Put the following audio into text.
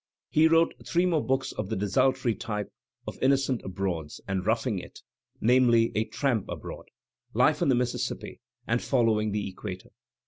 He wrote three more books of the desultory type of "Innocents Abroad," and "Roughing It" — namely, "A Tramp Abroad," "life on the Mississippi," and "Following the Equator."